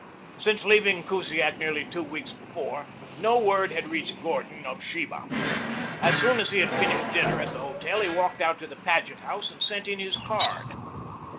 Since leaving Kusiak nearly two weeks before, no word had reached Gordon of Sheba. As soon as he had finished dinner at the hotel, he walked out to the Paget house and sent in his card.